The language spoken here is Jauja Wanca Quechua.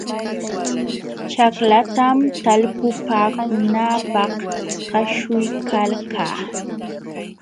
Ćhaklatam talpupaakunaapaq kaśhuykalkaa.